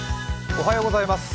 おはようございます。